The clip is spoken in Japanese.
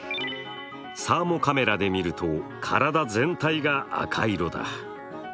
サーモカメラで見ると、体全体が赤色だ。